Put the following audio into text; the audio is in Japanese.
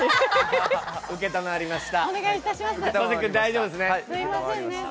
承りました。